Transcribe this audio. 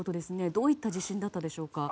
どういった地震だったでしょうか？